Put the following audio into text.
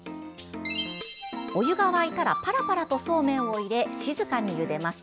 お湯が沸いたらパラパラとそうめんを入れ、静かにゆでます。